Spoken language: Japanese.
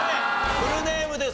フルネームですよ。